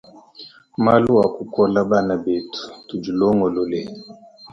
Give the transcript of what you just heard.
Malu akukola bana betu tudi longolole.